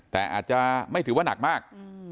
แต่อาจจะไม่ถือว่านักมาก